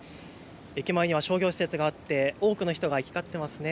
駅前には商業施設があって多くの人が行き交っていますね。